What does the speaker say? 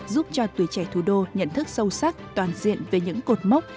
giúp cho tuổi trẻ thủ đô nhận thức sâu sắc toàn diện về những cột mốc